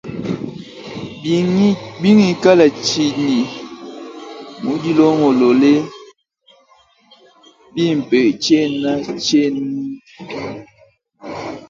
Bingikala tshinyi mudilongolole bimpe, tshena ntshienuna.